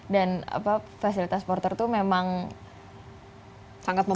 dan fasilitas porter itu memang kewajiban